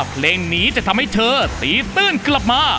เพลงนี้จะทำให้เธอตีตื้นกลับมา